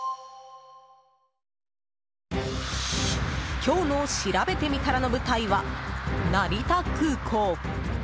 今日のしらべてみたらの舞台は成田空港。